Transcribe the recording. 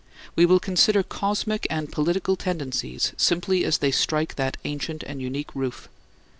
We will consider cosmic and political tendencies simply as they strike that ancient and unique roof.